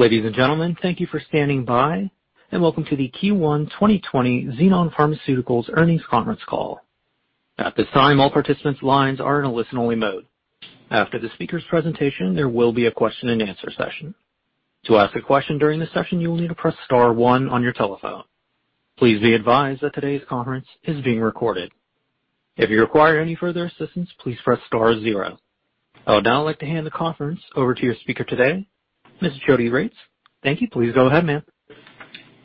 Ladies and gentlemen, thank you for standing by, and welcome to the Q1 2020 Xenon Pharmaceuticals earnings conference call. At this time, all participants' lines are in a listen-only mode. After the speaker's presentation, there will be a question and answer session. To ask a question during the session, you will need to press star one on your telephone. Please be advised that today's conference is being recorded. If you require any further assistance, please press star zero. I would now like to hand the conference over to your speaker today, Ms. Jodi Regts. Thank you. Please go ahead, ma'am.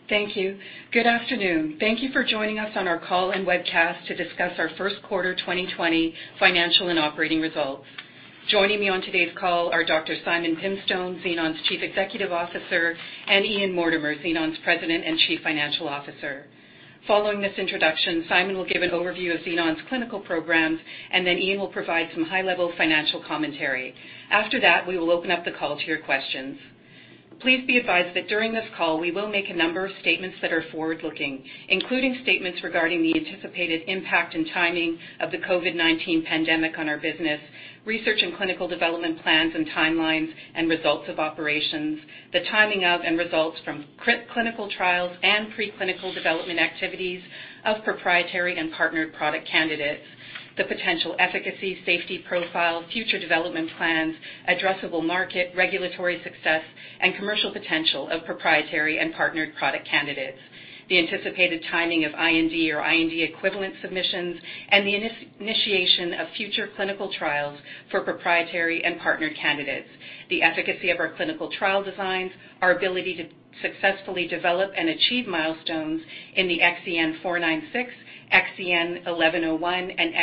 Thank you. Good afternoon. Thank you for joining us on our call and webcast to discuss our first quarter 2020 financial and operating results. Joining me on today's call are Dr. Simon Pimstone, Xenon's Chief Executive Officer, and Ian Mortimer, Xenon's President and Chief Financial Officer. Following this introduction, Simon will give an overview of Xenon's clinical programs, and then Ian will provide some high-level financial commentary. After that, we will open up the call to your questions. Please be advised that during this call, we will make a number of statements that are forward-looking, including statements regarding the anticipated impact and timing of the COVID-19 pandemic on our business, research and clinical development plans and timelines and results of operations, the timing of and results from clinical trials and preclinical development activities of proprietary and partnered product candidates. The potential efficacy, safety profile, future development plans, addressable market, regulatory success, and commercial potential of proprietary and partnered product candidates. The anticipated timing of IND or IND equivalent submissions and the initiation of future clinical trials for proprietary and partner candidates. The efficacy of our clinical trial designs, our ability to successfully develop and achieve milestones in the XEN496, XEN1101, and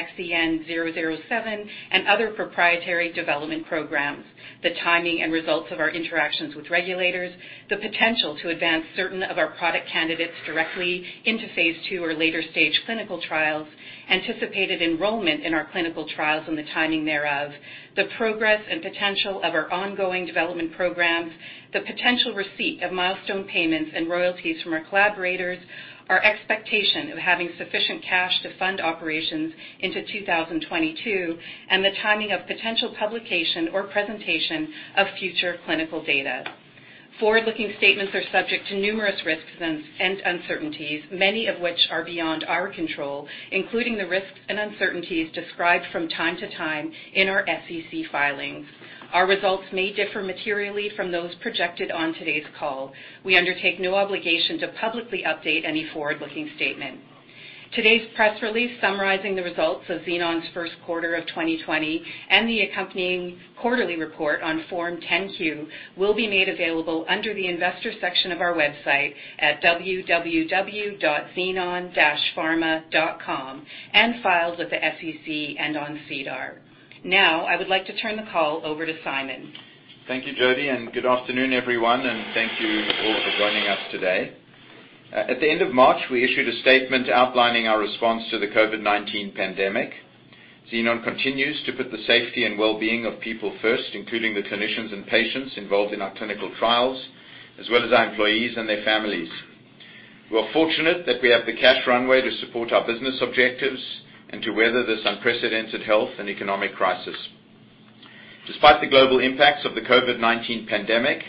XEN007 and other proprietary development programs. The timing and results of our interactions with regulators, the potential to advance certain of our product candidates directly into phase II or later-stage clinical trials, anticipated enrollment in our clinical trials and the timing thereof. The progress and potential of our ongoing development programs, the potential receipt of milestone payments and royalties from our collaborators, our expectation of having sufficient cash to fund operations into 2022, and the timing of potential publication or presentation of future clinical data. Forward-looking statements are subject to numerous risks and uncertainties, many of which are beyond our control, including the risks and uncertainties described from time to time in our SEC filings. Our results may differ materially from those projected on today's call. We undertake no obligation to publicly update any forward-looking statement. Today's press release summarizing the results of Xenon's first quarter of 2020 and the accompanying quarterly report on Form 10-Q will be made available under the investors section of our website at www.xenon-pharma.com and filed with the SEC and on SEDAR. Now, I would like to turn the call over to Simon. Thank you, Jodi, and good afternoon, everyone, and thank you all for joining us today. At the end of March, we issued a statement outlining our response to the COVID-19 pandemic. Xenon continues to put the safety and well-being of people first, including the clinicians and patients involved in our clinical trials, as well as our employees and their families. We are fortunate that we have the cash runway to support our business objectives and to weather this unprecedented health and economic crisis. Despite the global impacts of the COVID-19 pandemic,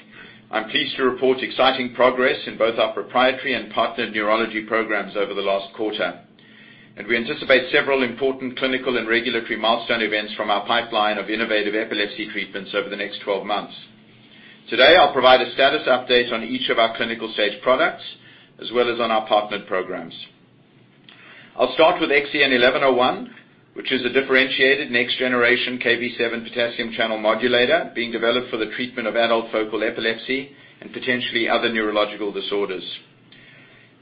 I'm pleased to report exciting progress in both our proprietary and partnered neurology programs over the last quarter. We anticipate several important clinical and regulatory milestone events from our pipeline of innovative epilepsy treatments over the next 12 months. Today, I'll provide a status update on each of our clinical stage products, as well as on our partnered programs. I'll start with XEN1101, which is a differentiated next generation Kv7 potassium channel modulator being developed for the treatment of adult focal epilepsy and potentially other neurological disorders.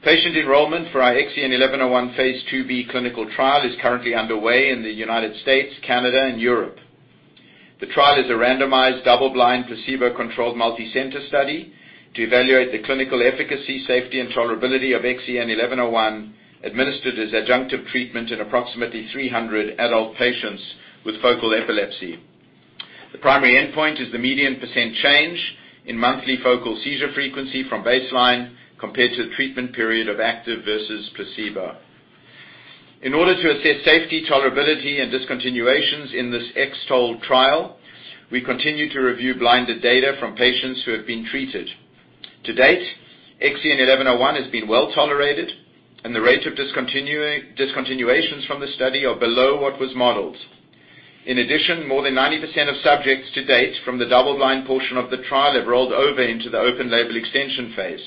Patient enrollment for our XEN1101 phase II-B clinical trial is currently underway in the U.S., Canada, and Europe. The trial is a randomized, double-blind, placebo-controlled, multi-center study to evaluate the clinical efficacy, safety, and tolerability of XEN1101 administered as adjunctive treatment in approximately 300 adult patients with focal epilepsy. The primary endpoint is the median percent change in monthly focal seizure frequency from baseline compared to the treatment period of active versus placebo. In order to assess safety, tolerability, and discontinuations in this X-TOLE trial, we continue to review blinded data from patients who have been treated. To date, XEN1101 has been well-tolerated, and the rate of discontinuations from the study are below what was modeled. In addition, more than 90% of subjects to date from the double-blind portion of the trial have rolled over into the open label extension phase.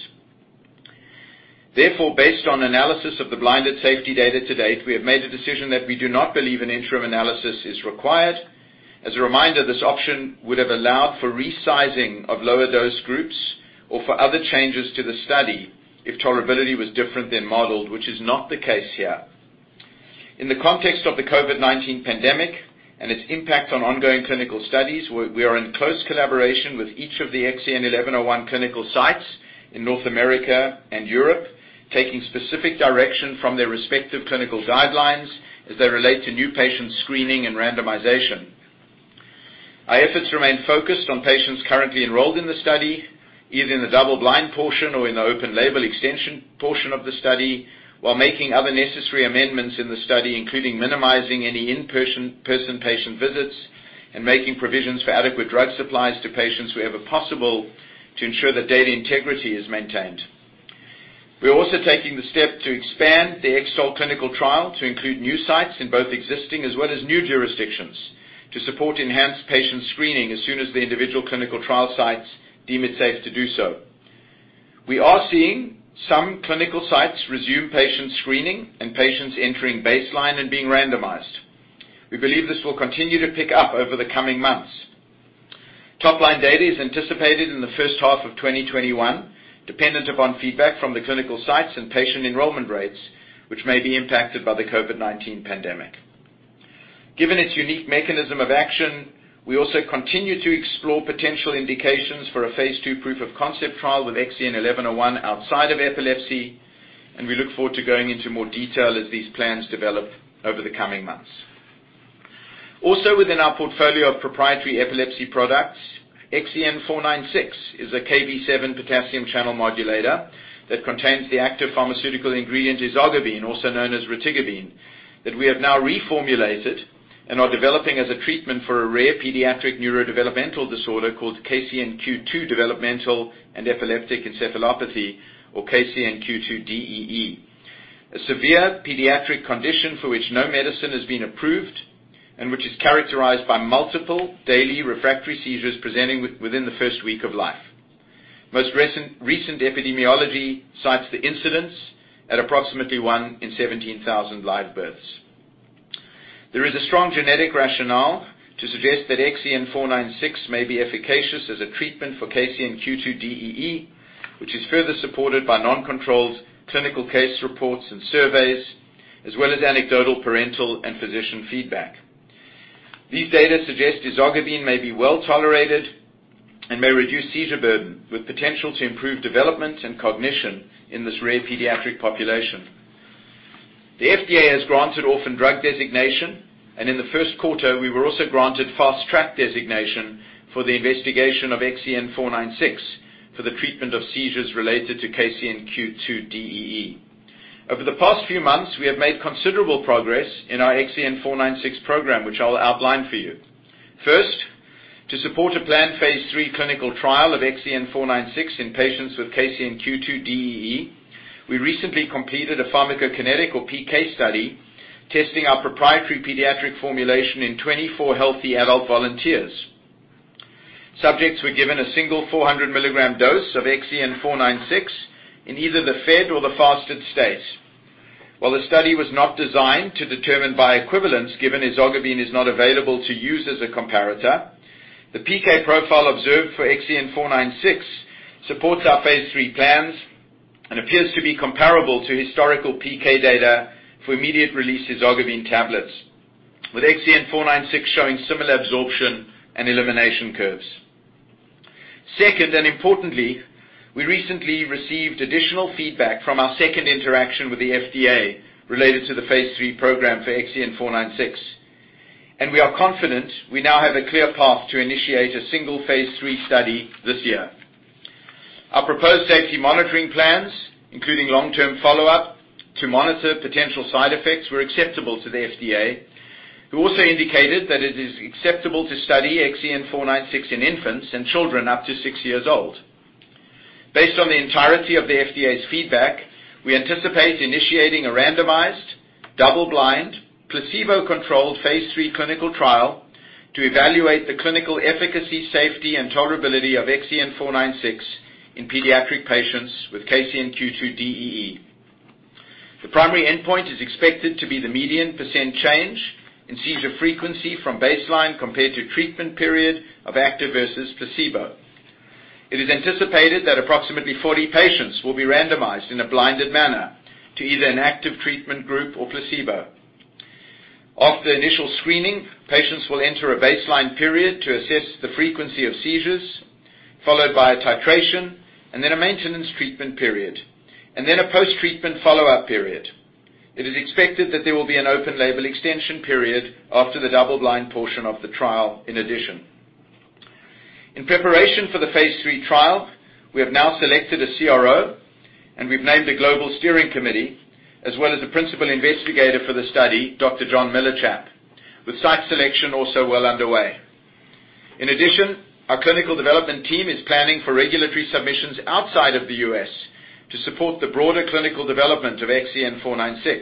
Therefore, based on analysis of the blinded safety data to date, we have made the decision that we do not believe an interim analysis is required. As a reminder, this option would have allowed for resizing of lower dose groups or for other changes to the study if tolerability was different than modeled, which is not the case here. In the context of the COVID-19 pandemic and its impact on ongoing clinical studies, we are in close collaboration with each of the XEN1101 clinical sites in North America and Europe, taking specific direction from their respective clinical guidelines as they relate to new patient screening and randomization. Our efforts remain focused on patients currently enrolled in the study, either in the double-blind portion or in the open-label extension portion of the study, while making other necessary amendments in the study, including minimizing any in-person patient visits and making provisions for adequate drug supplies to patients wherever possible to ensure that data integrity is maintained. We are also taking the step to expand the X-TOLE clinical trial to include new sites in both existing as well as new jurisdictions to support enhanced patient screening as soon as the individual clinical trial sites deem it safe to do so. We are seeing some clinical sites resume patient screening and patients entering baseline and being randomized. We believe this will continue to pick up over the coming months. Top-line data is anticipated in the first half of 2021, dependent upon feedback from the clinical sites and patient enrollment rates, which may be impacted by the COVID-19 pandemic. Given its unique mechanism of action, we also continue to explore potential indications for a phase II proof of concept trial with XEN1101 outside of epilepsy. We look forward to going into more detail as these plans develop over the coming months. Also within our portfolio of proprietary epilepsy products, XEN496 is a Kv7 potassium channel modulator that contains the active pharmaceutical ingredient ezogabine, also known as retigabine, that we have now reformulated and are developing as a treatment for a rare pediatric neurodevelopmental disorder called KCNQ2 developmental and epileptic encephalopathy, or KCNQ2-DEE. A severe pediatric condition for which no medicine has been approved and which is characterized by multiple daily refractory seizures presenting within the first week of life. Most recent epidemiology cites the incidence at approximately one in 17,000 live births. There is a strong genetic rationale to suggest that XEN496 may be efficacious as a treatment for KCNQ2-DEE, which is further supported by non-controlled clinical case reports and surveys, as well as anecdotal parental and physician feedback. These data suggest ezogabine may be well tolerated and may reduce seizure burden with potential to improve development and cognition in this rare pediatric population. The FDA has granted orphan drug designation, in the first quarter, we were also granted Fast Track designation for the investigation of XEN496 for the treatment of seizures related to KCNQ2-DEE. Over the past few months, we have made considerable progress in our XEN496 program, which I will outline for you. First, to support a planned phase III clinical trial of XEN496 in patients with KCNQ2-DEE, we recently completed a pharmacokinetic or PK study testing our proprietary pediatric formulation in 24 healthy adult volunteers. Subjects were given a single 400 mg dose of XEN496 in either the fed or the fasted state. While the study was not designed to determine bioequivalence, given ezogabine is not available to use as a comparator, the PK profile observed for XEN496 supports our phase III plans and appears to be comparable to historical PK data for immediate-release ezogabine tablets, with XEN496 showing similar absorption and elimination curves. Second, and importantly, we recently received additional feedback from our second interaction with the FDA related to the phase III program for XEN496, and we are confident we now have a clear path to initiate a single phase III study this year. Our proposed safety monitoring plans, including long-term follow-up to monitor potential side effects, were acceptable to the FDA, who also indicated that it is acceptable to study XEN496 in infants and children up to six years old. Based on the entirety of the FDA's feedback, we anticipate initiating a randomized, double-blind, placebo-controlled, phase III clinical trial to evaluate the clinical efficacy, safety, and tolerability of XEN496 in pediatric patients with KCNQ2-DEE. The primary endpoint is expected to be the median percent change in seizure frequency from baseline compared to treatment period of active versus placebo. It is anticipated that approximately 40 patients will be randomized in a blinded manner to either an active treatment group or placebo. After initial screening, patients will enter a baseline period to assess the frequency of seizures, followed by a titration, and then a maintenance treatment period, and then a post-treatment follow-up period. It is expected that there will be an open-label extension period after the double-blind portion of the trial in addition. In preparation for the phase III trial, we have now selected a CRO, and we've named a global steering committee, as well as the principal investigator for the study, Dr. John Millichap, with site selection also well underway. In addition, our clinical development team is planning for regulatory submissions outside of the U.S. to support the broader clinical development of XEN496.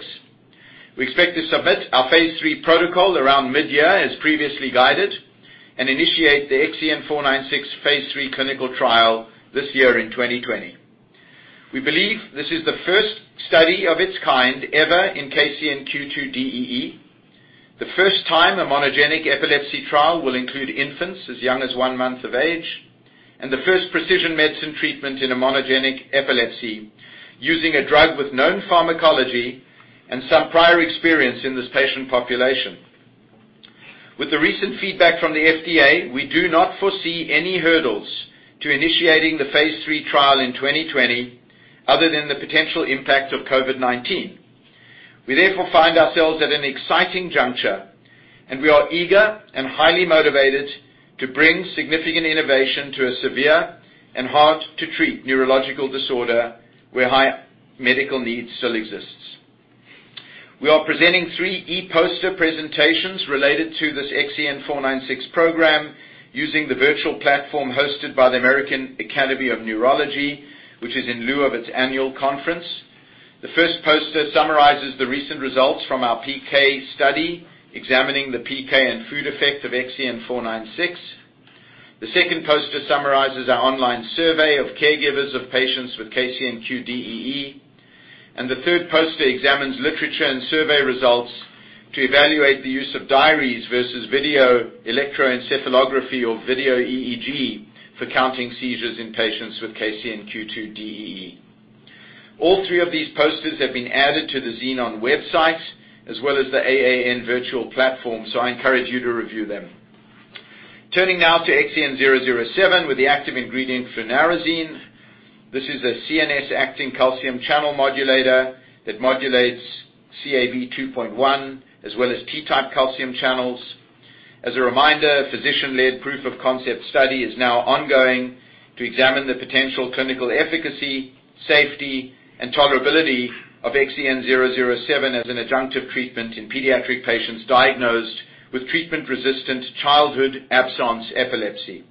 We expect to submit our phase III protocol around mid-year as previously guided and initiate the XEN496 phase III clinical trial this year in 2020. We believe this is the first study of its kind ever in KCNQ2-DEE. The first time a monogenic epilepsy trial will include infants as young as one month of age, and the first precision medicine treatment in a monogenic epilepsy using a drug with known pharmacology and some prior experience in this patient population. With the recent feedback from the FDA, we do not foresee any hurdles to initiating the phase III trial in 2020 other than the potential impact of COVID-19. We therefore find ourselves at an exciting juncture, and we are eager and highly motivated to bring significant innovation to a severe and hard-to-treat neurological disorder where high medical need still exists. We are presenting three e-poster presentations related to this XEN496 program using the virtual platform hosted by the American Academy of Neurology, which is in lieu of its annual conference. The first poster summarizes the recent results from our PK study examining the PK and food effect of XEN496. The second poster summarizes our online survey of caregivers of patients with KCNQ2-DEE. The third poster examines literature and survey results to evaluate the use of diaries versus video electroencephalography or video EEG for counting seizures in patients with KCNQ2-DEE. All three of these posters have been added to the Xenon website as well as the AAN virtual platform. I encourage you to review them. Turning now to XEN007 with the active ingredient, flunarizine. This is a CNS-acting calcium channel modulator that modulates CaV2.1 as well as T-type calcium channels. As a reminder, physician-led proof of concept study is now ongoing to examine the potential clinical efficacy, safety, and tolerability of XEN007 as an adjunctive treatment in pediatric patients diagnosed with treatment-resistant childhood absence epilepsy.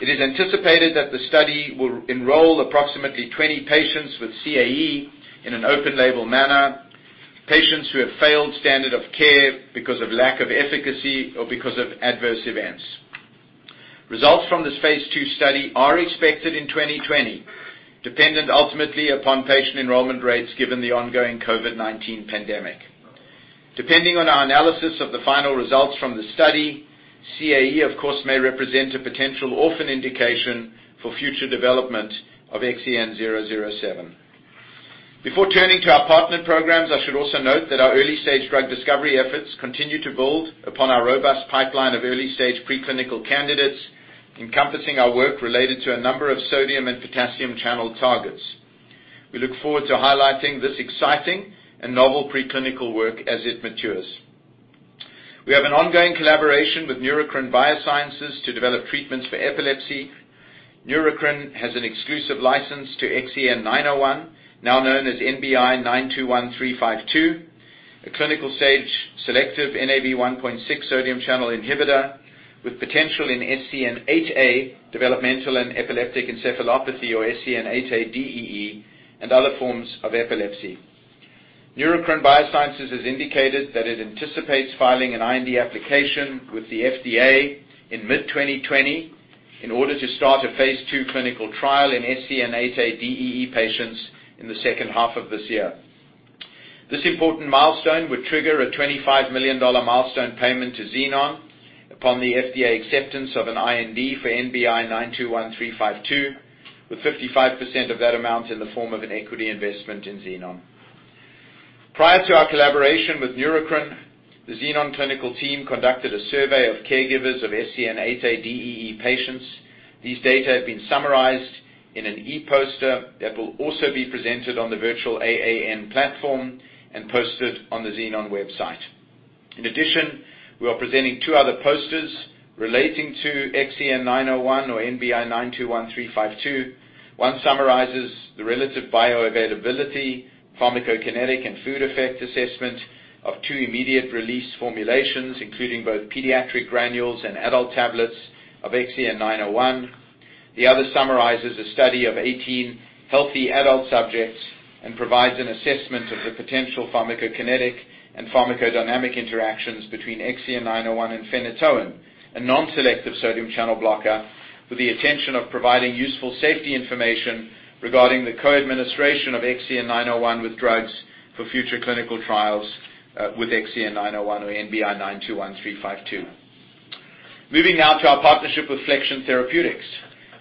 It is anticipated that the study will enroll approximately 20 patients with CAE in an open label manner. Patients who have failed standard of care because of lack of efficacy or because of adverse events. Results from this phase II study are expected in 2020, dependent ultimately upon patient enrollment rates given the ongoing COVID-19 pandemic. Depending on our analysis of the final results from the study, CAE, of course, may represent a potential orphan indication for future development of XEN007. Before turning to our partner programs, I should also note that our early-stage drug discovery efforts continue to build upon our robust pipeline of early-stage preclinical candidates, encompassing our work related to a number of sodium and potassium channel targets. We look forward to highlighting this exciting and novel preclinical work as it matures. We have an ongoing collaboration with Neurocrine Biosciences to develop treatments for epilepsy. Neurocrine has an exclusive license to XEN901, now known as NBI-921352, a clinical stage selective Nav1.6 sodium channel inhibitor with potential in SCN8A developmental and epileptic encephalopathy or SCN8A-DEE, and other forms of epilepsy. Neurocrine Biosciences has indicated that it anticipates filing an IND application with the FDA in mid-2020 in order to start a phase II clinical trial in SCN8A-DEE patients in the second half of this year. This important milestone would trigger a $25 million milestone payment to Xenon upon the FDA acceptance of an IND for NBI-921352, with 55% of that amount in the form of an equity investment in Xenon. Prior to our collaboration with Neurocrine, the Xenon clinical team conducted a survey of caregivers of SCN8A-DEE patients. These data have been summarized in an e-poster that will also be presented on the virtual AAN platform and posted on the Xenon website. We are presenting two other posters relating to XEN901 or NBI-921352. One summarizes the relative bioavailability, pharmacokinetic, and food effect assessment of two immediate release formulations, including both pediatric granules and adult tablets of XEN901. The other summarizes a study of 18 healthy adult subjects and provides an assessment of the potential pharmacokinetic and pharmacodynamic interactions between XEN901 and phenytoin, a non-selective sodium channel blocker with the intention of providing useful safety information regarding the co-administration of XEN901 with drugs for future clinical trials with XEN901 or NBI-921352. Moving now to our partnership with Flexion Therapeutics,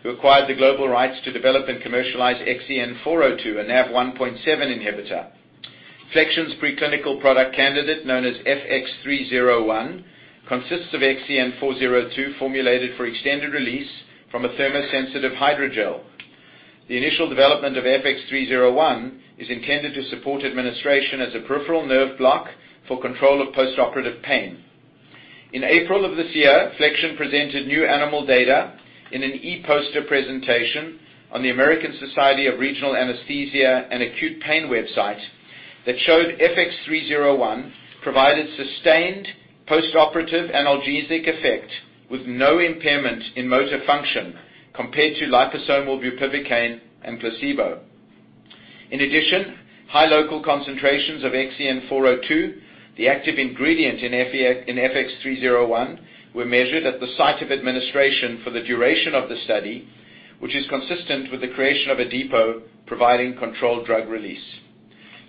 who acquired the global rights to develop and commercialize XEN402, a NaV1.7 inhibitor. Flexion's preclinical product candidate, known as FX301, consists of XEN402 formulated for extended release from a thermosensitive hydrogel. The initial development of FX301 is intended to support administration as a peripheral nerve block for control of postoperative pain. In April of this year, Flexion presented new animal data in an e-poster presentation on the American Society of Regional Anesthesia and Pain Medicine website that showed FX301 provided sustained postoperative analgesic effect with no impairment in motor function compared to liposomal bupivacaine and placebo. In addition, high local concentrations of XEN402, the active ingredient in FX301, were measured at the site of administration for the duration of the study, which is consistent with the creation of a depot providing controlled drug release.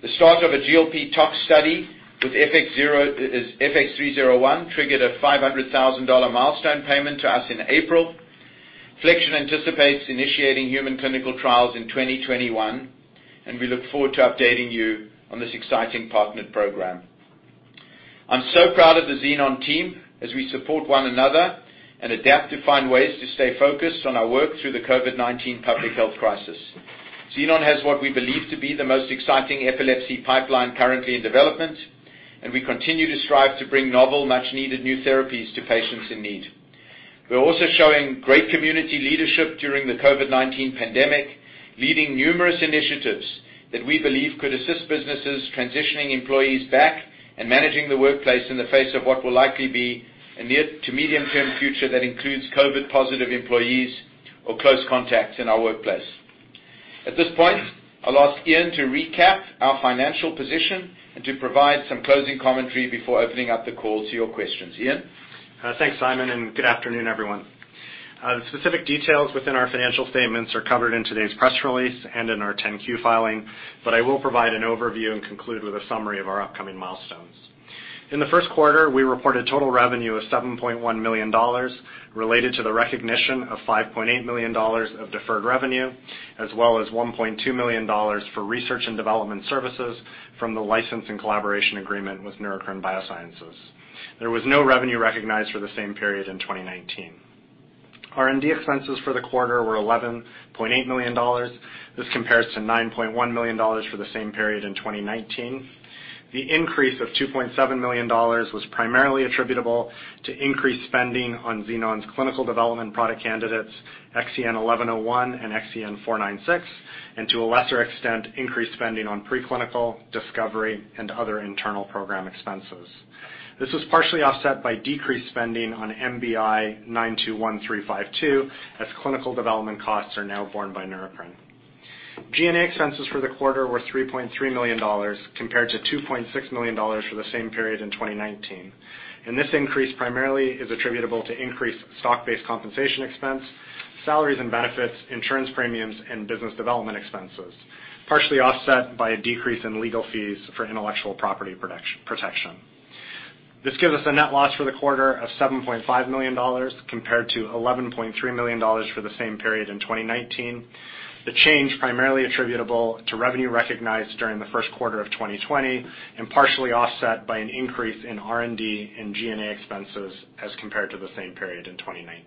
The start of a GLP tox study with FX301 triggered a $500,000 milestone payment to us in April. Flexion anticipates initiating human clinical trials in 2021, and we look forward to updating you on this exciting partnered program. I'm so proud of the Xenon team as we support one another and adapt to find ways to stay focused on our work through the COVID-19 public health crisis. Xenon has what we believe to be the most exciting epilepsy pipeline currently in development, and we continue to strive to bring novel, much-needed new therapies to patients in need. We're also showing great community leadership during the COVID-19 pandemic, leading numerous initiatives that we believe could assist businesses transitioning employees back and managing the workplace in the face of what will likely be a near to medium-term future that includes COVID positive employees or close contacts in our workplace. At this point, I'll ask Ian to recap our financial position and to provide some closing commentary before opening up the call to your questions. Ian? Thanks, Simon, good afternoon, everyone. The specific details within our financial statements are covered in today's press release and in our 10-Q filing, but I will provide an overview and conclude with a summary of our upcoming milestones. In the first quarter, we reported total revenue of $7.1 million related to the recognition of $5.8 million of deferred revenue, as well as $1.2 million for research and development services from the license and collaboration agreement with Neurocrine Biosciences. There was no revenue recognized for the same period in 2019. R&D expenses for the quarter were $11.8 million. This compares to $9.1 million for the same period in 2019. The increase of $2.7 million was primarily attributable to increased spending on Xenon's clinical development product candidates, XEN1101 and XEN496, and to a lesser extent, increased spending on preclinical discovery and other internal program expenses. This was partially offset by decreased spending on NBI-921352, as clinical development costs are now borne by Neurocrine. G&A expenses for the quarter were $3.3 million, compared to $2.6 million for the same period in 2019. This increase primarily is attributable to increased stock-based compensation expense, salaries and benefits, insurance premiums, and business development expenses, partially offset by a decrease in legal fees for intellectual property protection. This gives us a net loss for the quarter of $7.5 million, compared to $11.3 million for the same period in 2019. The change primarily attributable to revenue recognized during the first quarter of 2020, and partially offset by an increase in R&D and G&A expenses as compared to the same period in 2019.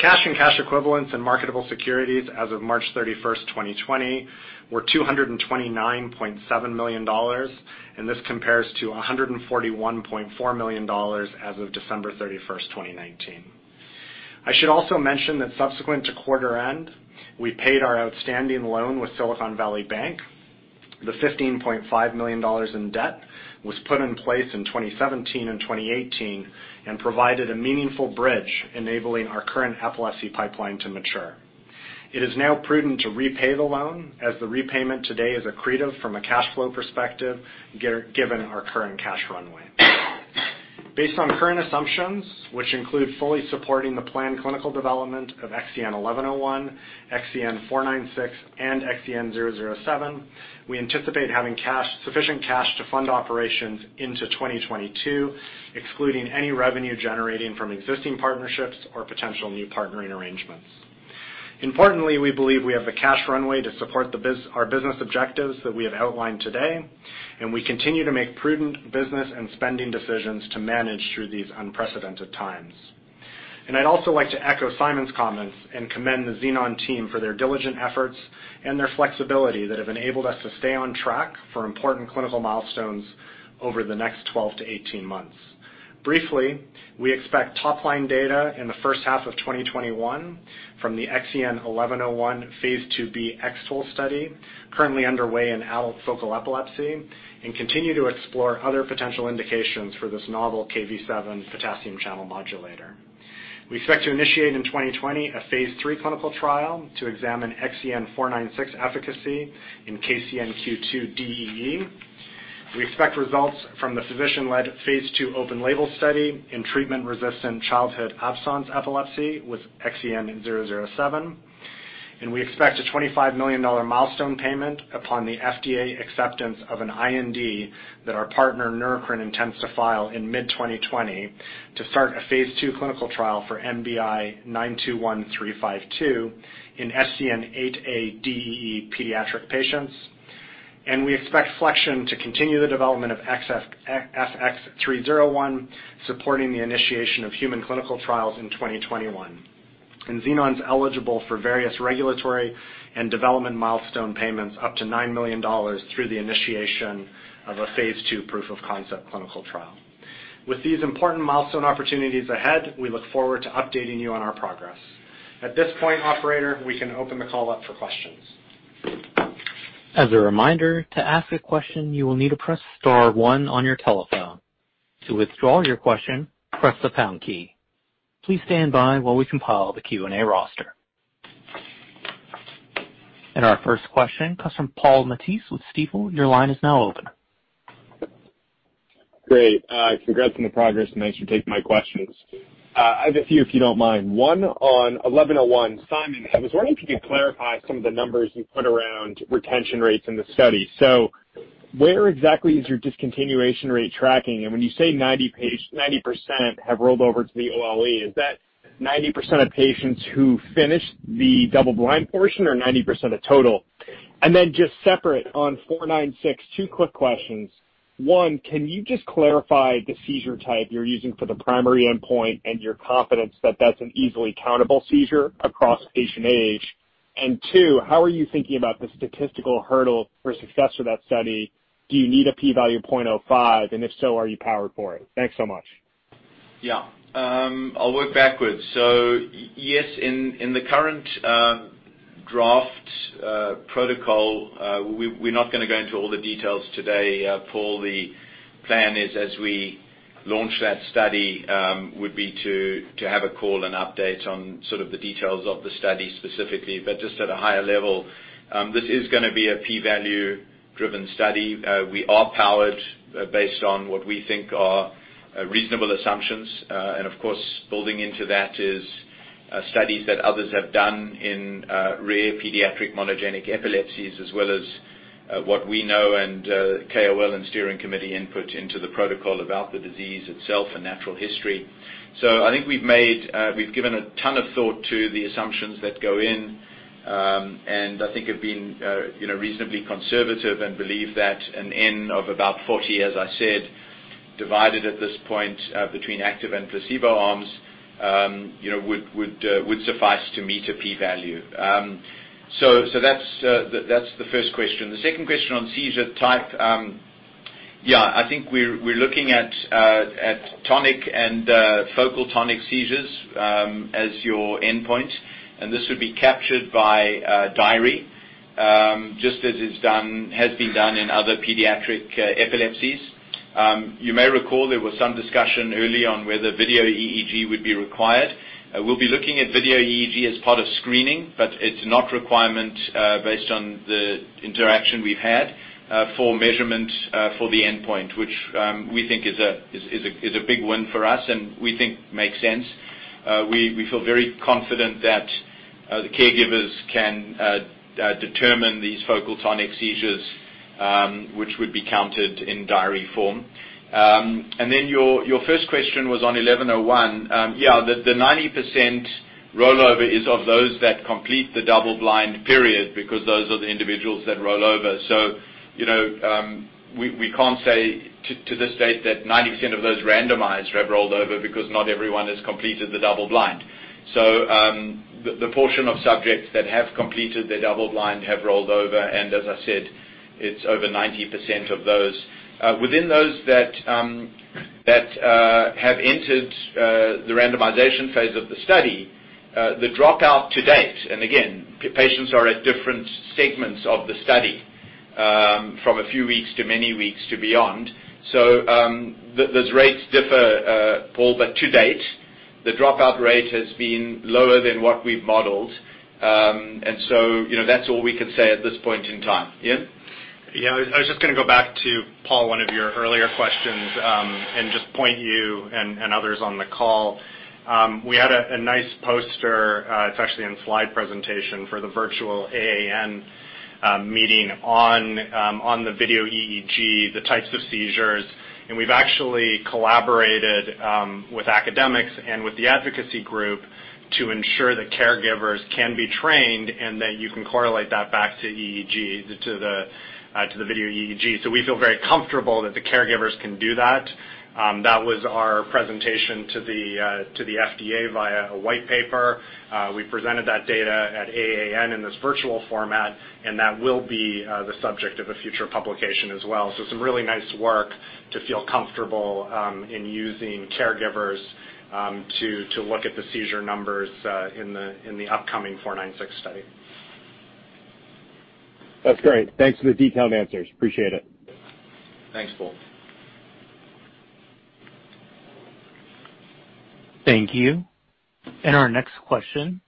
Cash and cash equivalents and marketable securities as of March 31st, 2020, were $229.7 million, and this compares to $141.4 million as of December 31st, 2019. I should also mention that subsequent to quarter end, we paid our outstanding loan with Silicon Valley Bank. The $15.5 million in debt was put in place in 2017 and 2018 and provided a meaningful bridge enabling our current epilepsy pipeline to mature. It is now prudent to repay the loan as the repayment today is accretive from a cash flow perspective, given our current cash runway. Based on current assumptions, which include fully supporting the planned clinical development of XEN1101, XEN496, and XEN007, we anticipate having sufficient cash to fund operations into 2022, excluding any revenue generating from existing partnerships or potential new partnering arrangements. Importantly, we believe we have the cash runway to support our business objectives that we have outlined today, and we continue to make prudent business and spending decisions to manage through these unprecedented times. I'd also like to echo Simon's comments and commend the Xenon team for their diligent efforts and their flexibility that have enabled us to stay on track for important clinical milestones over the next 12 to 18 months. Briefly, we expect top-line data in the first half of 2021 from the XEN1101 phase II-B X-TOLE study currently underway in adult focal epilepsy and continue to explore other potential indications for this novel Kv7 potassium channel modulator. We expect to initiate in 2020 a phase III clinical trial to examine XEN496 efficacy in KCNQ2-DEE. We expect results from the physician-led phase II open label study in treatment-resistant childhood absence epilepsy with XEN007, and we expect a $25 million milestone payment upon the FDA acceptance of an IND that our partner, Neurocrine, intends to file in mid-2020 to start a phase II clinical trial for NBI-921352 in SCN8A-DEE pediatric patients. We expect Flexion to continue the development of FX301, supporting the initiation of human clinical trials in 2021. Xenon's eligible for various regulatory and development milestone payments up to $9 million through the initiation of a phase II proof of concept clinical trial. With these important milestone opportunities ahead, we look forward to updating you on our progress. At this point, operator, we can open the call up for questions. As a reminder, to ask a question, you will need to press star one on your telephone. To withdraw your question, press the pound key. Please stand by while we compile the Q&A roster. Our first question comes from Paul Matteis with Stifel. Your line is now open. Great. Congrats on the progress, thanks for taking my questions. I have a few, if you don't mind. One on XEN1101. Simon, I was wondering if you could clarify some of the numbers you put around retention rates in the study. Where exactly is your discontinuation rate tracking? When you say 90% have rolled over to the OLE, is that 90% of patients who finished the double-blind portion or 90% of total? Just separate on XEN496, two quick questions. One, can you just clarify the seizure type you're using for the primary endpoint and your confidence that that's an easily countable seizure across patient age? Two, how are you thinking about the statistical hurdle for success for that study? Do you need a P-value 0.05? If so, are you powered for it? Thanks so much. Yeah. I'll work backwards. Yes, in the current draft protocol, we're not going to go into all the details today, Paul. The plan is as we launch that study, would be to have a call and update on sort of the details of the study specifically. Just at a higher level, this is going to be a P-value driven study. We are powered based on what we think are reasonable assumptions. Of course, building into that is studies that others have done in rare pediatric monogenic epilepsies, as well as what we know and KOL and steering committee input into the protocol about the disease itself and natural history. I think we've given a ton of thought to the assumptions that go in. I think have been reasonably conservative and believe that an N of about 40, as I said, divided at this point between active and placebo arms would suffice to meet a P-value. That's the first question. The second question on seizure type. Yeah, I think we're looking at tonic and focal tonic seizures as your endpoint, and this would be captured by a diary, just as it has been done in other pediatric epilepsies. You may recall there was some discussion early on whether video EEG would be required. We'll be looking at video EEG as part of screening, but it's not requirement based on the interaction we've had for measurement for the endpoint, which we think is a big win for us and we think makes sense. We feel very confident that the caregivers can determine these focal tonic seizures, which would be counted in diary form. Your first question was on 1101. The 90% rollover is of those that complete the double-blind period because those are the individuals that roll over. We can't say to this date that 90% of those randomized have rolled over because not everyone has completed the double-blind. The portion of subjects that have completed the double-blind have rolled over, and as I said, it's over 90% of those. Within those that have entered the randomization phase of the study, the dropout to date, and again, patients are at different segments of the study, from a few weeks to many weeks to beyond. Those rates differ, Paul. To date, the dropout rate has been lower than what we've modeled. That's all we can say at this point in time. Ian? I was just going to go back to Paul, one of your earlier questions, and just point you and others on the call. We had a nice poster, it's actually in slide presentation for the virtual AAN meeting on the video EEG, the types of seizures. We've actually collaborated with academics and with the advocacy group to ensure that caregivers can be trained and that you can correlate that back to the video EEG. We feel very comfortable that the caregivers can do that. That was our presentation to the FDA via a white paper. We presented that data at AAN in this virtual format, and that will be the subject of a future publication as well. Some really nice work to feel comfortable in using caregivers to look at the seizure numbers in the upcoming 496 study. That's great. Thanks for the detailed answers. Appreciate it. Thanks, Paul. Thank you. Our next question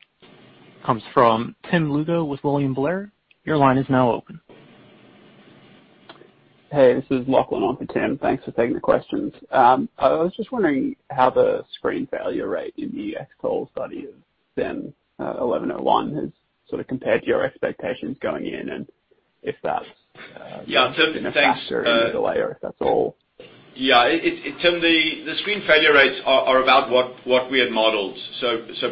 comes from Tim Lugo with William Blair. Your line is now open. Hey, this is Lachlan on for Tim. Thanks for taking the questions. I was just wondering how the screen failure rate in the X-TOLE study of XEN1101 has sort of compared to your expectations going in been a factor in the delay, or if that's all. Yeah. Tim, the screen failure rates are about what we had modeled.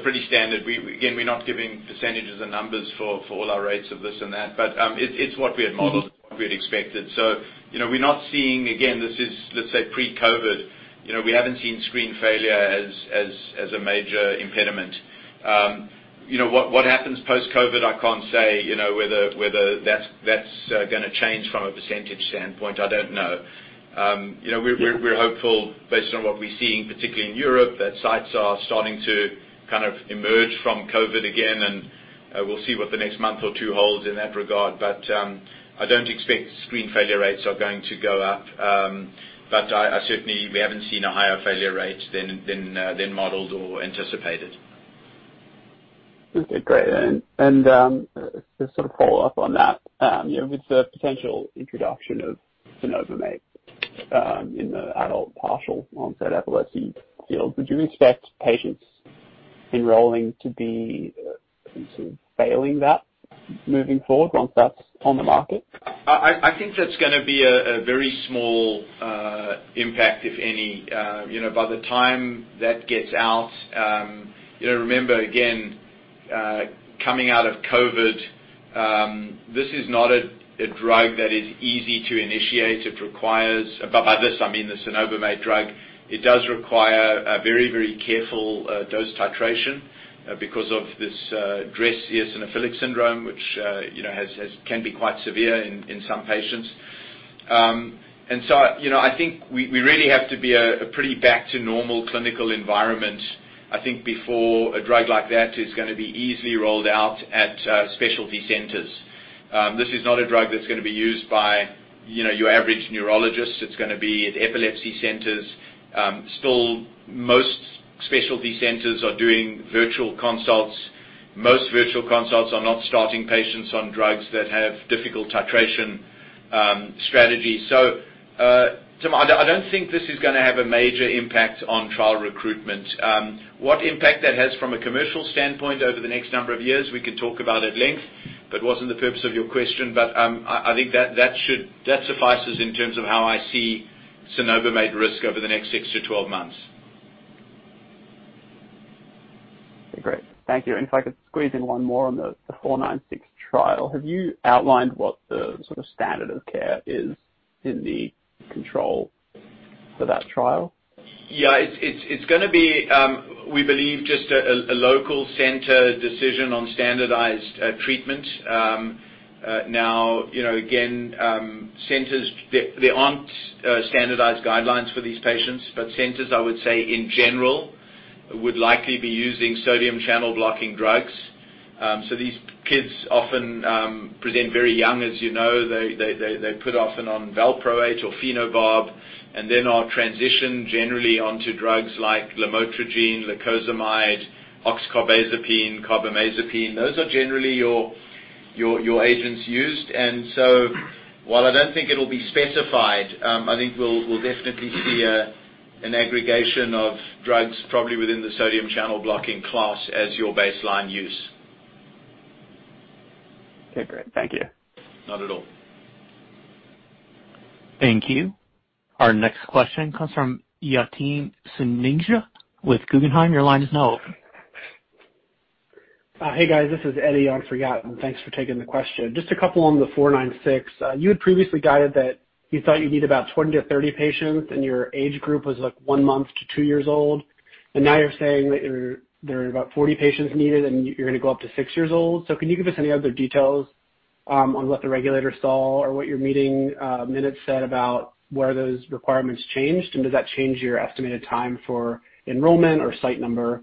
Pretty standard. Again, we're not giving percentages and numbers for all our rates of this and that. It's what we had modeled, what we had expected. We're not seeing, again, this is let's say pre-COVID. We haven't seen screen failure as a major impediment. What happens post-COVID? I can't say whether that's going to change from a percentage standpoint. I don't know. We're hopeful based on what we're seeing, particularly in Europe, that sites are starting to kind of emerge from COVID again, and we'll see what the next month or two holds in that regard. I don't expect screen failure rates are going to go up. Certainly, we haven't seen a higher failure rate than modeled or anticipated. Okay, great. To sort of follow up on that, with the potential introduction of cenobamate in the adult partial onset epilepsy field, would you expect patients enrolling to be sort of failing that moving forward once that's on the market? I think that's going to be a very small impact, if any. By the time that gets out. Remember again, coming out of COVID, this is not a drug that is easy to initiate. By this, I mean the cenobamate drug. It does require a very careful dose titration because of this DRESS, eosinophilic syndrome, which can be quite severe in some patients. I think we really have to be a pretty back-to-normal clinical environment, I think, before a drug like that is going to be easily rolled out at specialty centers. This is not a drug that's going to be used by your average neurologist. It's going to be at epilepsy centers. Still, most specialty centers are doing virtual consults. Most virtual consults are not starting patients on drugs that have difficult titration strategies. I don't think this is going to have a major impact on trial recruitment. What impact that has from a commercial standpoint over the next number of years, we could talk about at length, but wasn't the purpose of your question. I think that suffices in terms of how I see cenobamate risk over the next 6-12 months. Okay, great. Thank you. If I could squeeze in one more on the 496 trial. Have you outlined what the sort of standard of care is in the control for that trial? It's going to be, we believe, just a local center decision on standardized treatment. Again there aren't standardized guidelines for these patients, but centers, I would say, in general, would likely be using sodium channel blocking drugs. These kids often present very young, as you know. They're put often on valproate or phenobarb and then are transitioned generally onto drugs like lamotrigine, lacosamide, oxcarbazepine, carbamazepine. Those are generally your agents used. While I don't think it'll be specified, I think we'll definitely see an aggregation of drugs probably within the sodium channel blocking class as your baseline use. Okay, great. Thank you. Not at all. Thank you. Our next question comes from Yatin Suneja with Guggenheim. Your line is now open. Hey, guys. This is Eddie on for Yatin. Thanks for taking the question. Just a couple on the 496. You had previously guided that you thought you'd need about 20-30 patients. Your age group was one month to two years old. Now you're saying that there are about 40 patients needed and you're going to go up to six years old. Can you give us any other details on what the regulator saw or what your meeting minutes said about where those requirements changed? Does that change your estimated time for enrollment or site number?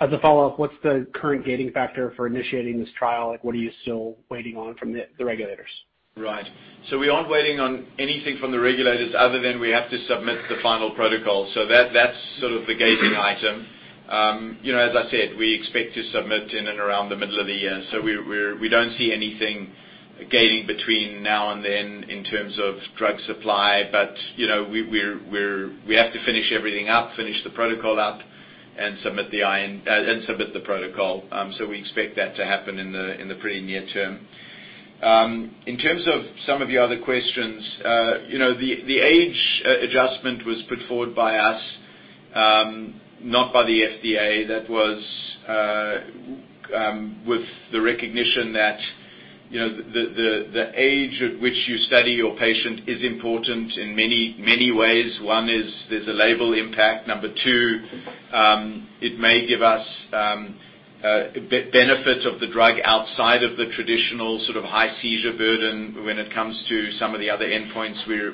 As a follow-up, what's the current gating factor for initiating this trial? What are you still waiting on from the regulators? Right. We aren't waiting on anything from the regulators other than we have to submit the final protocol. That's sort of the gating item. As I said, we expect to submit in and around the middle of the year. We don't see anything gating between now and then in terms of drug supply. We have to finish everything up, finish the protocol up and submit the protocol. We expect that to happen in the pretty near term. In terms of some of your other questions, the age adjustment was put forward by us, not by the FDA. That was with the recognition that the age at which you study your patient is important in many ways. One is there's a label impact. Number two, it may give us benefit of the drug outside of the traditional sort of high seizure burden when it comes to some of the other endpoints we're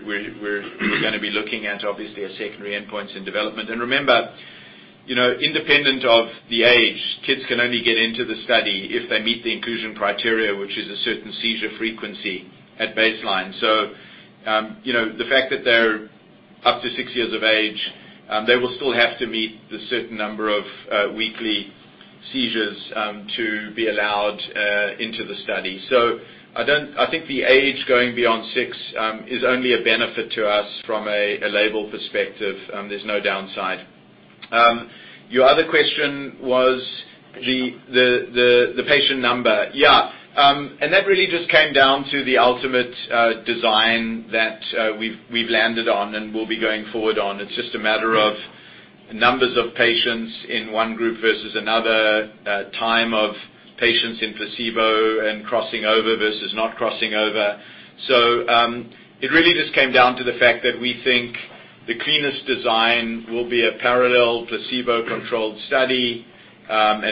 going to be looking at, obviously, as secondary endpoints in development. Remember, independent of the age, kids can only get into the study if they meet the inclusion criteria, which is a certain seizure frequency at baseline. The fact that they're up to six years of age, they will still have to meet the certain number of weekly seizures to be allowed into the study. I think the age going beyond six is only a benefit to us from a label perspective. There's no downside. Your other question was the patient number. Yeah. That really just came down to the ultimate design that we've landed on and will be going forward on. It's just a matter of numbers of patients in one group versus another, time of patients in placebo and crossing over versus not crossing over. It really just came down to the fact that we think the cleanest design will be a parallel placebo-controlled study.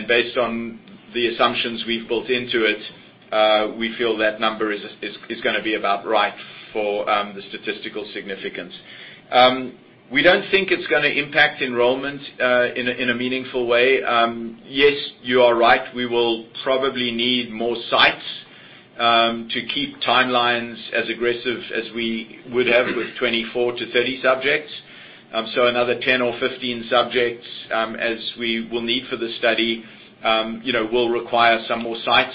Based on the assumptions we've built into it, we feel that number is going to be about right for the statistical significance. We don't think it's going to impact enrollment in a meaningful way. Yes, you are right. We will probably need more sites to keep timelines as aggressive as we would have with 24-30 subjects. Another 10 or 15 subjects as we will need for the study will require some more sites.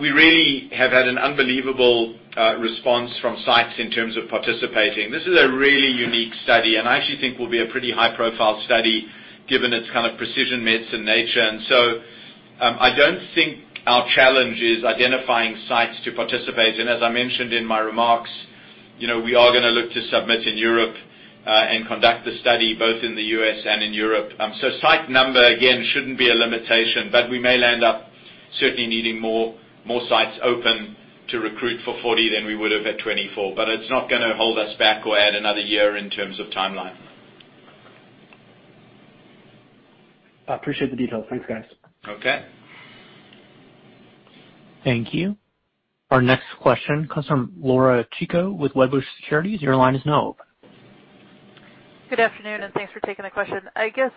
We really have had an unbelievable response from sites in terms of participating. This is a really unique study. I actually think will be a pretty high-profile study given its kind of precision medicine nature. I don't think our challenge is identifying sites to participate in. As I mentioned in my remarks, we are going to look to submit in Europe and conduct the study both in the U.S. and in Europe. Site number, again, shouldn't be a limitation. We may land up certainly needing more sites open to recruit for 40 than we would have at 24. It's not going to hold us back or add another year in terms of timeline. I appreciate the details. Thanks, guys. Okay. Thank you. Our next question comes from Laura Chico with Wedbush Securities. Your line is now open. Good afternoon, thanks for taking the question. I guess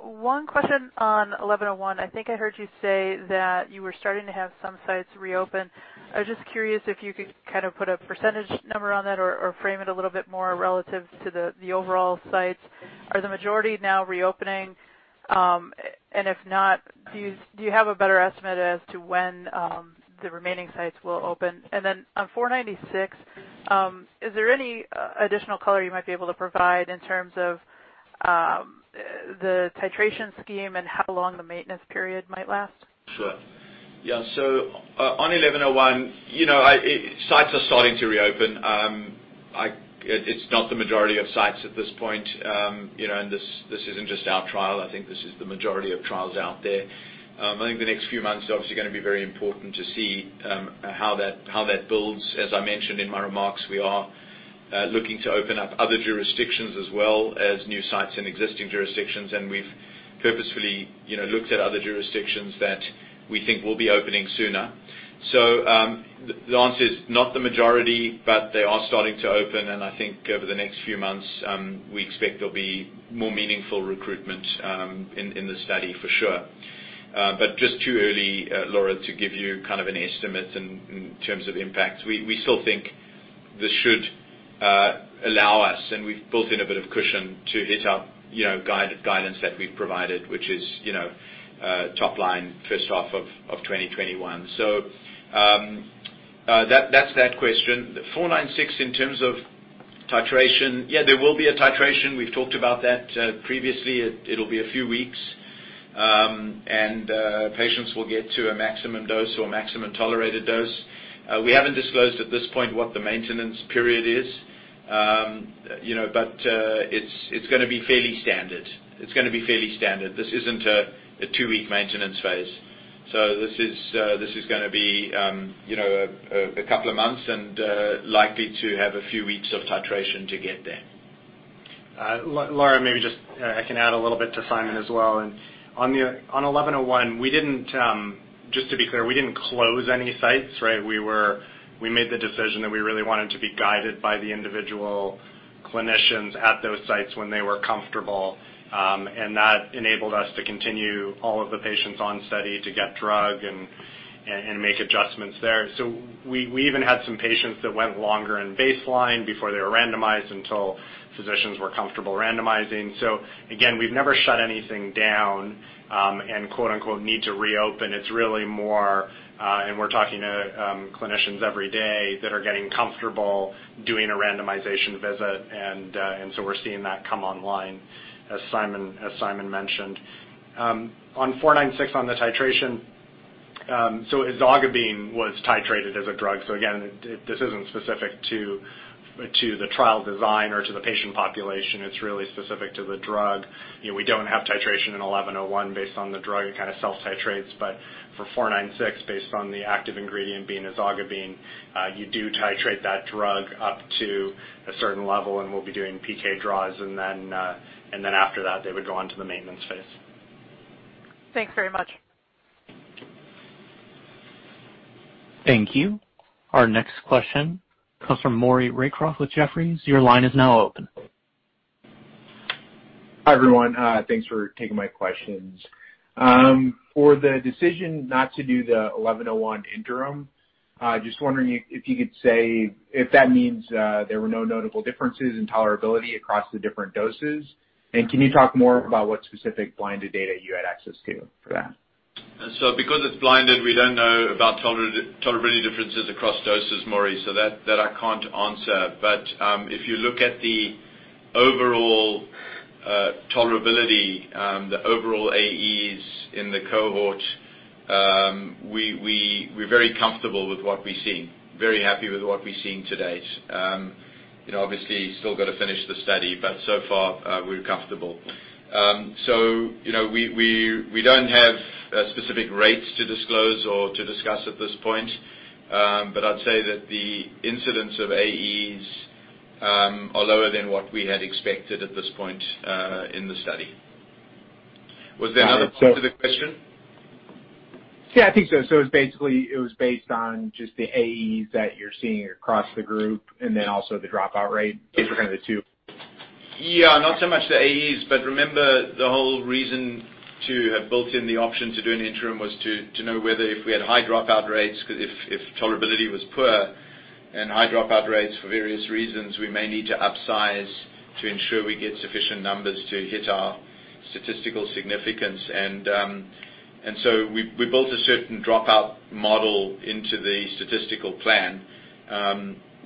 one question on XEN1101. I think I heard you say that you were starting to have some sites reopen. I was just curious if you could put a percentage number on that or frame it a little bit more relative to the overall sites. Are the majority now reopening? If not, do you have a better estimate as to when the remaining sites will open? On XEN496, is there any additional color you might be able to provide in terms of the titration scheme and how long the maintenance period might last? Sure. Yeah. On XEN1101, sites are starting to reopen. It's not the majority of sites at this point. This isn't just our trial. I think this is the majority of trials out there. I think the next few months are obviously going to be very important to see how that builds. As I mentioned in my remarks, we are looking to open up other jurisdictions as well as new sites in existing jurisdictions, and we've purposefully looked at other jurisdictions that we think will be opening sooner. The answer is not the majority, but they are starting to open, and I think over the next few months, we expect there'll be more meaningful recruitment in the study for sure. Just too early, Laura, to give you an estimate in terms of impact. We still think this should allow us, and we've built in a bit of cushion to hit our guidance that we've provided, which is top line first half of 2021. That's that question. The 496 in terms of titration. Yeah, there will be a titration. We've talked about that previously. It'll be a few weeks. Patients will get to a maximum dose or maximum tolerated dose. We haven't disclosed at this point what the maintenance period is. It's going to be fairly standard. This isn't a two-week maintenance phase. This is going to be a couple of months and likely to have a few weeks of titration to get there. Laura, maybe just I can add a little bit to Simon as well. On 1101, just to be clear, we didn't close any sites, right? We made the decision that we really wanted to be guided by the individual clinicians at those sites when they were comfortable. We even had some patients that went longer in baseline before they were randomized, until physicians were comfortable randomizing. Again, we've never shut anything down and quote, unquote, "need to reopen." It's really more, and we're talking to clinicians every day that are getting comfortable doing a randomization visit. We're seeing that come online as Simon mentioned. On 496 on the titration. Ezogabine was titrated as a drug. Again, this isn't specific to the trial design or to the patient population. It's really specific to the drug. We don't have titration in 1101 based on the drug. It self-titrates. For 496, based on the active ingredient being ezogabine, you do titrate that drug up to a certain level, and we'll be doing PK draws, and then after that, they would go on to the maintenance phase. Thanks very much. Thank you. Our next question comes from Maury Raycroft with Jefferies. Your line is now open. Hi, everyone. Thanks for taking my questions. For the decision not to do the 1101 interim, just wondering if you could say if that means there were no notable differences in tolerability across the different doses. Can you talk more about what specific blinded data you had access to for that? Because it's blinded, we don't know about tolerability differences across doses, Maury. That I can't answer. If you look at the overall tolerability, the overall AEs in the cohort, we're very comfortable with what we're seeing, very happy with what we're seeing to date. Obviously still got to finish the study, but so far, we're comfortable. We don't have specific rates to disclose or to discuss at this point. I'd say that the incidence of AEs are lower than what we had expected at this point in the study. Was there another part to the question? Yeah, I think so. It was based on just the AEs that you're seeing across the group and then also the dropout rate. Those were kind of the two. Yeah, not so much the AEs, but remember the whole reason to have built in the option to do an interim was to know whether if we had high dropout rates, if tolerability was poor and high dropout rates for various reasons, we may need to upsize to ensure we get sufficient numbers to hit our statistical significance. We built a certain dropout model into the statistical plan.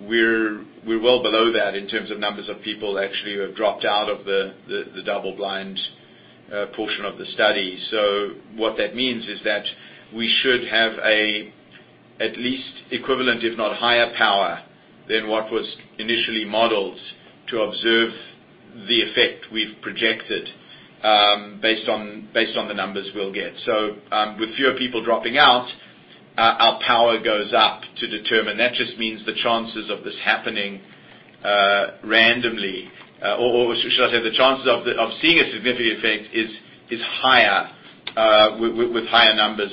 We're well below that in terms of numbers of people actually who have dropped out of the double blind portion of the study. What that means is that we should have at least equivalent, if not higher power than what was initially modeled to observe the effect we've projected based on the numbers we'll get. With fewer people dropping out, our power goes up to determine. That just means the chances of this happening randomly, or should I say, the chances of seeing a significant effect is higher with higher numbers.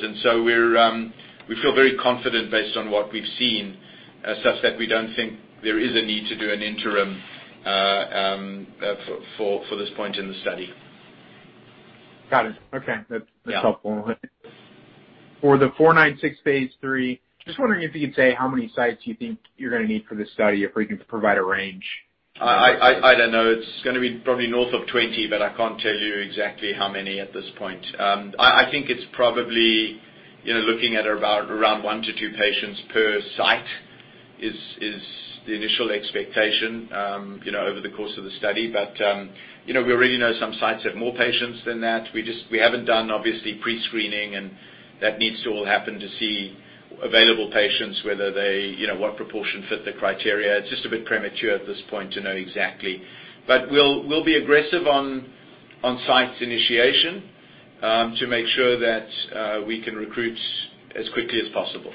We feel very confident based on what we've seen such that we don't think there is a need to do an interim for this point in the study. Got it. Okay. Yeah. That's helpful. For the 496 phase III, just wondering if you could say how many sites you think you're going to need for this study, or if you can provide a range. I don't know. It's going to be probably north of 20, but I can't tell you exactly how many at this point. I think it's probably looking at around one to two patients per site is the initial expectation over the course of the study. We already know some sites have more patients than that. We haven't done obviously pre-screening, and that needs to all happen to see available patients, what proportion fit the criteria. It's just a bit premature at this point to know exactly. We'll be aggressive on sites initiation to make sure that we can recruit as quickly as possible.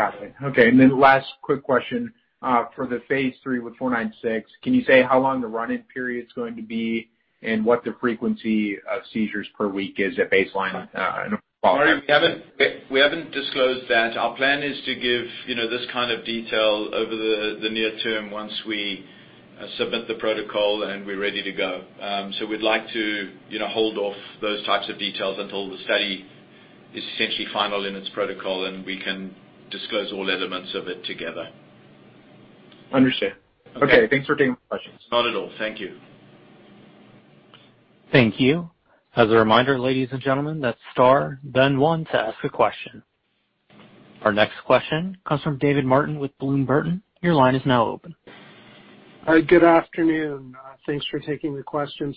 Got it. Okay, last quick question. For the phase III with 496, can you say how long the run-in period is going to be and what the frequency of seizures per week is at baseline in a follow-up? Sorry, we haven't disclosed that. Our plan is to give this kind of detail over the near term once we submit the protocol and we're ready to go. We'd like to hold off those types of details until the study is essentially final in its protocol, and we can disclose all elements of it together. Understood. Okay. Thanks for taking my questions. Not at all. Thank you. Thank you. As a reminder, ladies and gentlemen, that's star then one to ask a question. Our next question comes from David Martin with Bloom Burton. Your line is now open. Hi, good afternoon. Thanks for taking the questions.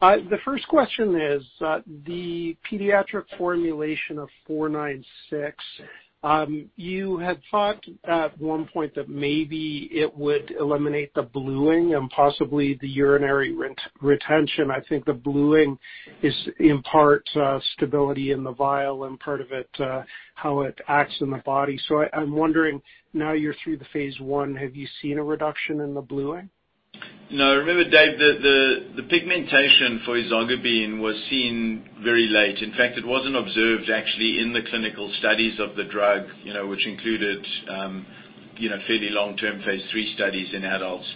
The first question is, the pediatric formulation of XEN496, you had thought at one point that maybe it would eliminate the bluing and possibly the urinary retention. I think the bluing is in part stability in the vial and part of it how it acts in the body. I'm wondering now you're through the phase I, have you seen a reduction in the bluing? No. Remember, David, the pigmentation for ezogabine was seen very late. In fact, it wasn't observed actually in the clinical studies of the drug which included fairly long-term phase III studies in adults.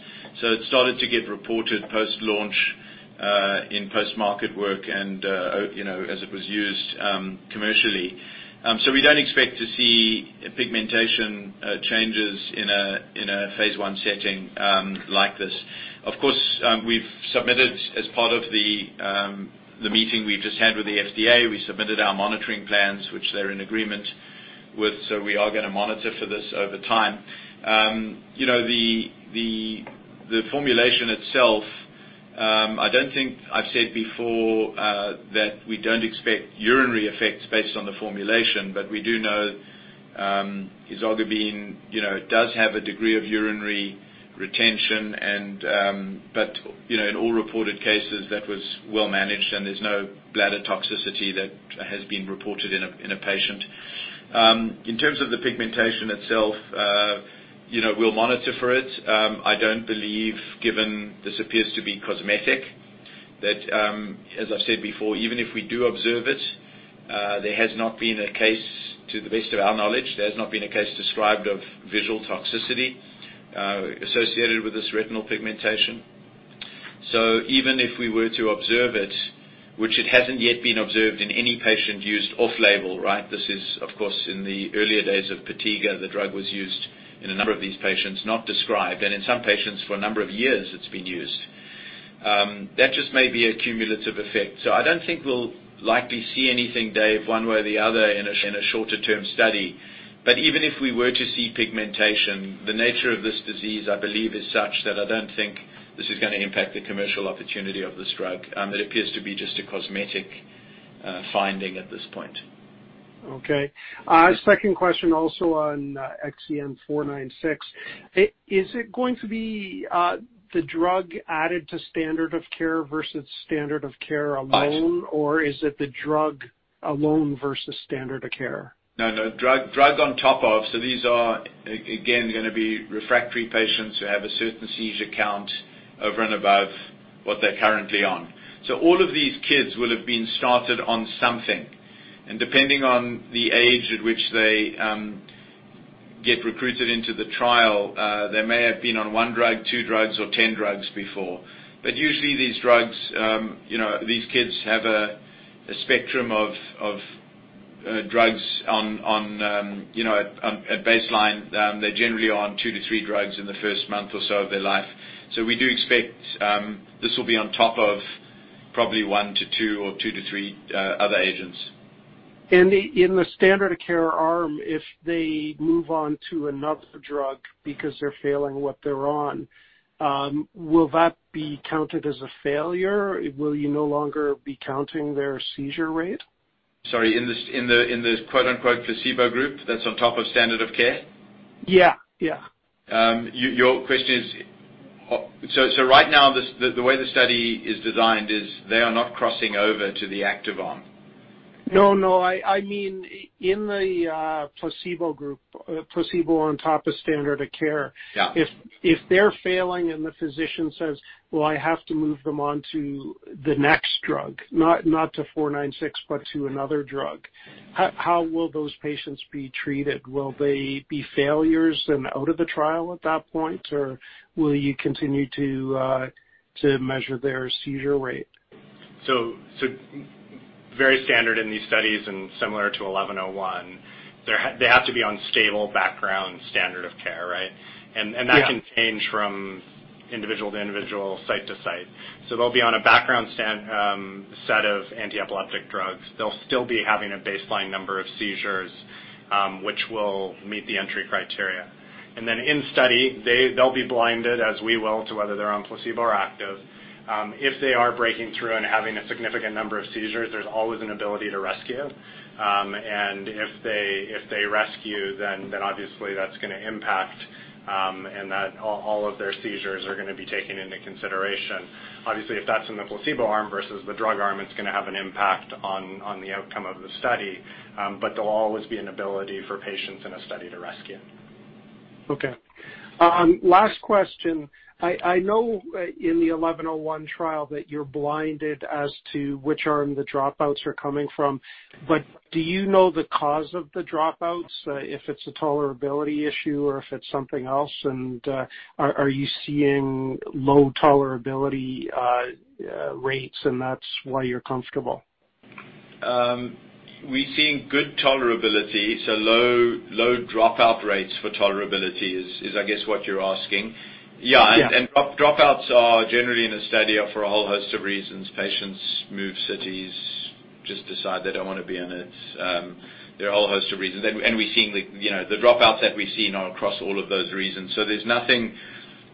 It started to get reported post-launch in post-market work and as it was used commercially. Of course, we've submitted as part of the meeting we just had with the FDA. We submitted our monitoring plans, which they're in agreement with. We are going to monitor for this over time. The formulation itself, I don't think I've said before that we don't expect urinary effects based on the formulation, but we do know ezogabine does have a degree of urinary retention and but in all reported cases, that was well managed, and there's no bladder toxicity that has been reported in a patient. In terms of the pigmentation itself, we'll monitor for it. I don't believe, given this appears to be cosmetic, that as I've said before, even if we do observe it, there has not been a case, to the best of our knowledge, there has not been a case described of visual toxicity associated with this retinal pigmentation. Even if we were to observe it, which it hasn't yet been observed in any patient used off-label, right? This is, of course, in the earlier days of POTIGA, the drug was used in a number of these patients, not described, and in some patients for a number of years it's been used. That just may be a cumulative effect. I don't think we'll likely see anything, David, one way or the other in a shorter-term study. Even if we were to see pigmentation, the nature of this disease, I believe, is such that I don't think this is going to impact the commercial opportunity of this drug. It appears to be just a cosmetic finding at this point. Okay. Second question also on XEN496. Is it going to be the drug added to standard of care versus standard of care alone? Is it the drug alone versus standard of care? No, no. Drug on top of. These are, again, going to be refractory patients who have a certain seizure count over and above what they're currently on. All of these kids will have been started on something. Depending on the age at which they get recruited into the trial, they may have been on one drug, two drugs, or 10 drugs before. Usually these drugs, these kids have a spectrum of drugs at baseline. They're generally on two to three drugs in the first month or so of their life. We do expect this will be on top of probably one to two or two to three other agents. In the standard of care arm, if they move on to another drug because they're failing what they're on, will that be counted as a failure? Will you no longer be counting their seizure rate? Sorry, in the placebo group that's on top of standard of care? Yeah. Right now, the way the study is designed is they are not crossing over to the active arm. No, I mean in the placebo group, placebo on top of standard of care. Yeah. If they're failing and the physician says, "Well, I have to move them on to the next drug," not to XEN496, but to another drug. How will those patients be treated? Will they be failures and out of the trial at that point, or will you continue to measure their seizure rate? Very standard in these studies and similar to 1101, they have to be on stable background standard of care, right? Yeah. That can change from individual to individual, site to site. They'll be on a background set of antiepileptic drugs. They'll still be having a baseline number of seizures, which will meet the entry criteria. Then in study, they'll be blinded, as we will, to whether they're on placebo or active. If they are breaking through and having a significant number of seizures, there's always an ability to rescue. If they rescue, then obviously that's going to impact, all of their seizures are going to be taken into consideration. Obviously, if that's in the placebo arm versus the drug arm, it's going to have an impact on the outcome of the study. There'll always be an ability for patients in a study to rescue. Okay. Last question. I know in the XEN1101 trial that you're blinded as to which arm the dropouts are coming from. Do you know the cause of the dropouts, if it's a tolerability issue or if it's something else? Are you seeing low tolerability rates, and that's why you're comfortable? We're seeing good tolerability, so low dropout rates for tolerability is I guess what you're asking. Yeah. Yeah, dropouts are generally in a study are for a whole host of reasons. Patients move cities, just decide they don't want to be in it. There are a whole host of reasons. The dropouts that we've seen are across all of those reasons. There's nothing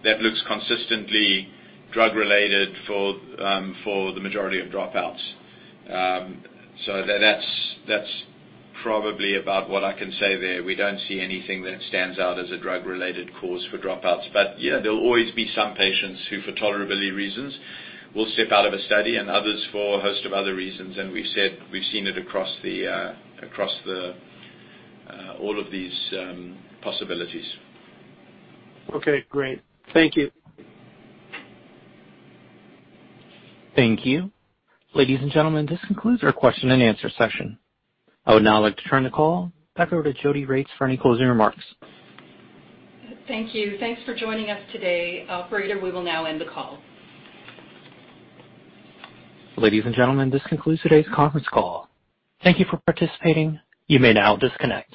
that looks consistently drug-related for the majority of dropouts. That's probably about what I can say there. We don't see anything that stands out as a drug-related cause for dropouts. There'll always be some patients who, for tolerability reasons, will step out of a study and others for a host of other reasons. We've said we've seen it across all of these possibilities. Okay, great. Thank you. Thank you. Ladies and gentlemen, this concludes our question-and-answer session. I would now like to turn the call back over to Jodi Regts for any closing remarks. Thank you. Thanks for joining us today. Operator, we will now end the call. Ladies and gentlemen, this concludes today's conference call. Thank you for participating. You may now disconnect.